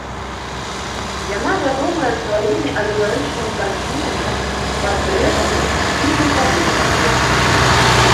Яна вядомая сваімі алегарычнымі карцінамі, партрэтамі і групавымі партрэтамі.